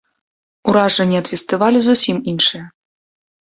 Уражанні ад фестывалю зусім іншыя.